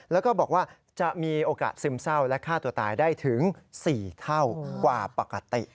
แล้วก็บอกว่าจะมีโอกาสซึมเศร้าและฆ่าตัวตายได้ถึง๔เท่ากว่าปกติ